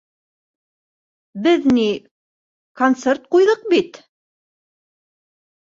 Беҙ ни... концерт ҡуйҙыҡ бит.